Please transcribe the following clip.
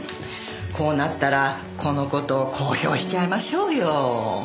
こうなったらこの事を公表しちゃいましょうよ！